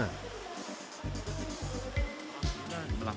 nah ini berapa